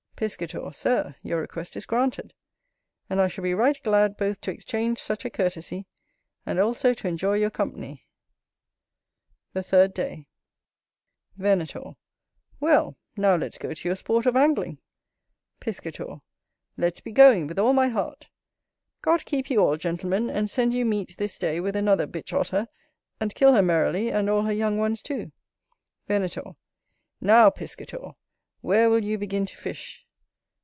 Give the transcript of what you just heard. Piscator. Sir, your request is granted; and I shall be right glad both to exchange such a courtesy, and also to enjoy your company. The third day Venator. Well, now let's go to your sport of Angling. Piscator. Let's be going, with all my heart. God keep you all, Gentlemen; and send you meet, this day, with another Bitch otter, and kill her merrily, and all her young ones too. Venator. NOW, Piscator, where will you begin to fish?